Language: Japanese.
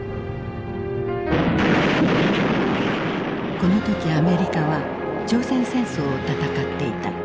この時アメリカは朝鮮戦争を戦っていた。